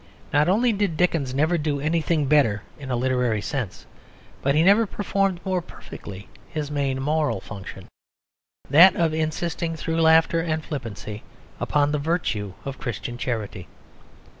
Not only did Dickens never do anything better in a literary sense, but he never performed more perfectly his main moral function, that of insisting through laughter and flippancy upon the virtue of Christian charity.